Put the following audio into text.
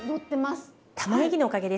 たまねぎのおかげですね。